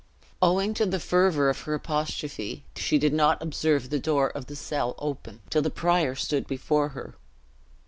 Owing to the fervor of her apostrophe, she did not observe the door of the cell open, till the prior stood before her.